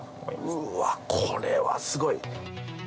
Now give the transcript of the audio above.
うわこれはすごい！